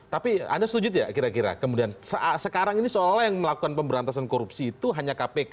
tapi anda setuju tidak kira kira kemudian sekarang ini seolah olah yang melakukan pemberantasan korupsi itu hanya kpk